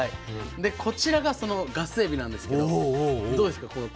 でこちらがそのガスエビなんですけどどうですか？